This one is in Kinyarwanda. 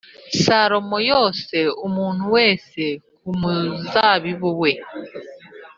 Salomo yose umuntu wese ku muzabibu we